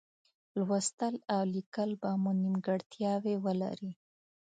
لوستل او لیکل به مو نیمګړتیاوې ولري.